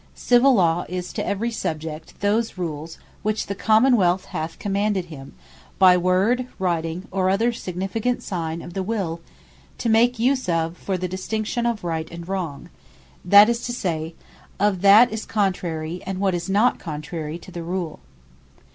"CIVILL LAW, Is to every Subject, those Rules, which the Common wealth hath Commanded him, by Word, Writing, or other sufficient Sign of the Will, to make use of, for the Distinction of Right, and Wrong; that is to say, of what is contrary, and what is not contrary to the Rule."